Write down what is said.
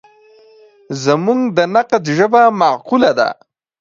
زموږ د نقد ژبه معقوله وي.